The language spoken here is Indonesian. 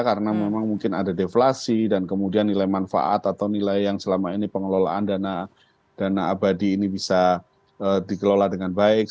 karena memang mungkin ada deflasi dan kemudian nilai manfaat atau nilai yang selama ini pengelolaan dana abadi ini bisa dikelola dengan baik